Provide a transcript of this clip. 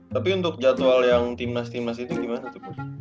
tapi untuk jadwal yang timnas timnas itu gimana tuh